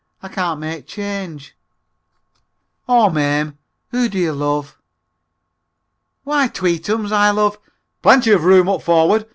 I can't make change!" "Aw, Mame, who do you love?" "Why, tweetums, I love (plenty of room up forward!